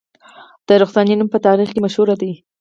د رخسانې نوم په تاریخ کې مشهور دی